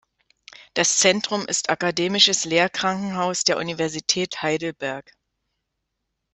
Das Zentrum ist akademisches Lehrkrankenhaus der Universität Heidelberg.